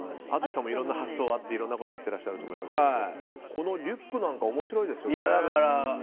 淳さんもいろんな発想があっていろんなことをやっていらっしゃると思いますがこのリュックなんか面白いですね。